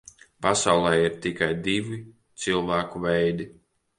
Pasaulē ir tikai divi cilvēku veidi.